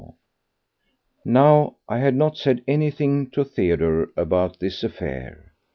3. Now, I had not said anything to Theodore about this affair.